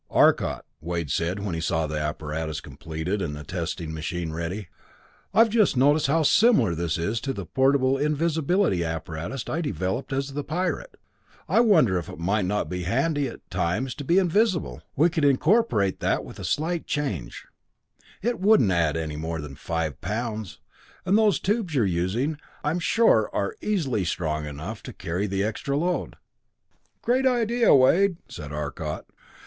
"Arcot," Wade said when he saw the apparatus completed and the testing machine ready, "I've just noticed how similar this is to the portable invisibility apparatus I developed as the Pirate. I wonder if it might not be handy at times to be invisible we could incorporate that with a slight change. It wouldn't add more than five pounds, and those tubes you are using I'm sure are easily strong enough to carry the extra load." "Great idea, Wade," said Arcot.